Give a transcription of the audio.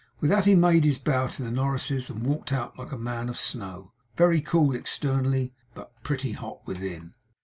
With that he made his bow to the Norrises, and walked out like a man of snow; very cool externally, but pretty hot within.